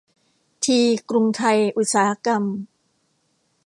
ที กรุงไทยอุตสาหกรรม